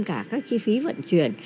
cả các chi phí vận chuyển